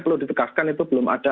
perlu ditegaskan itu belum ada